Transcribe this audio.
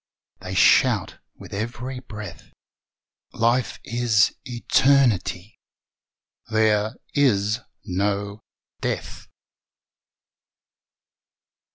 They shout with every breath: "Life is eternity! There is no death!"